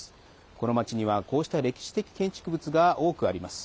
この町には、こうした歴史的建築物が多くあります。